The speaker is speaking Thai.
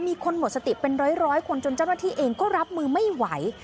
มีคนหมดสติเป็นร้อยคนจนเจ้าหน้าที่เองก็รับมือไม่ไหว